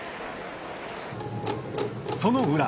その裏。